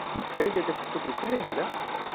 Herî zêde pirtûk li ku derê hene?